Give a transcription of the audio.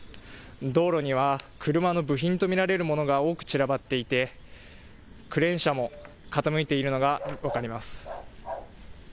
道路には車の部品と見られるものが多く散らばっていてクレーン車も傾いているのが分かります。